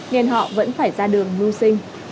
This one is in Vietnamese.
nên họ vẫn phải ra đường vưu sinh